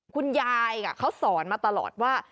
คุณยายเขาสอนมาตลอดว่า